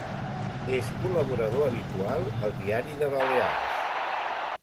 És col·laborador habitual al Diari de Balears.